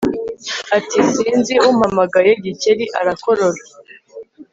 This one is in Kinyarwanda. Ati « sinzi umpamagaye » Gikeli arakorora